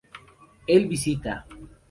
Él visita